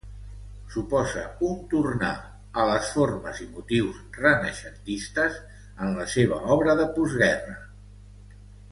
Suposa un tornar a les formes i motius renaixentistes en la seva obra de postguerra.